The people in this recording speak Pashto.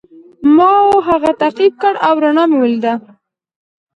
ما هغه تعقیب کړ او رڼا مې ولیده.